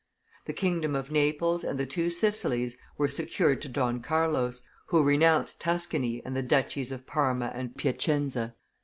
The kingdom of Naples and the Two Sicilies were secured to Don Carlos, who renounced Tuscany and the duchies of Parma and Piacenza.